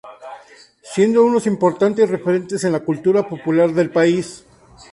Siendo unos importantes referentes en la cultura popular del país.